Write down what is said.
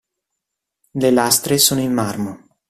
Le lastre sono in marmo.